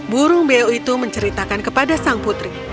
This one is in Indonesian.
burung beo itu menceritakan kepada sang putri